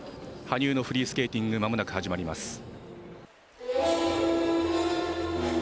羽生のフリースケーティング、まもなく始まります。